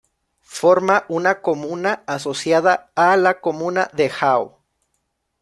Forma una comuna asociada a la comuna de Hao.